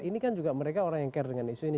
ini kan juga mereka orang yang care dengan isu ini